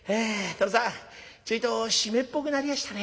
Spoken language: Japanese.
殿さんちょいと湿っぽくなりやしたね。